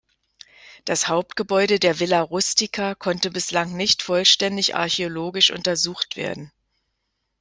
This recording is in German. Das Hauptgebäude der Villa Rustica konnte bislang nicht vollständig archäologisch untersucht werden.